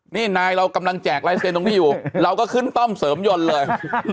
นี่นายเรากำลังแจกลายเซ็นต์ตรงนี้อยู่เราก็ขึ้นป้อมเสริมยนต์เลย